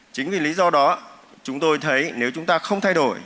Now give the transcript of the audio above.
chính vì lý do đó chúng tôi thấy nếu chúng ta không thay đổi